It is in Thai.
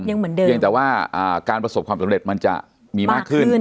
ยังเหมือนเดิมเพียงแต่ว่าการประสบความสำเร็จมันจะมีมากขึ้น